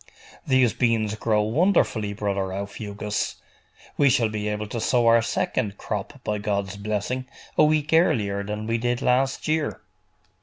'These beans grow wonderfully, brother Aufugus. We shall be able to sow our second crop, by God's blessing, a week earlier than we did last year.